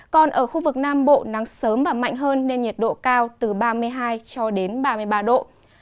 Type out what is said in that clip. còn ở khu vực nam bộ nắng sớm và mạnh hơn nên nhiệt độ cao từ ba mươi hai cho đến ba mươi ba độ